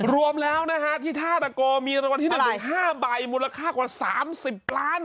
รวมแล้วนะฮะที่ท่าตะโกมีรางวัลที่๑๕ใบมูลค่ากว่า๓๐ล้าน